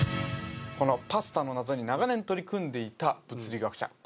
このパスタの謎に長年取り組んでいた物理学者